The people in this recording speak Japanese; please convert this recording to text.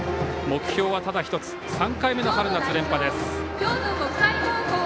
目標はただ１つ３回目の春夏連覇です。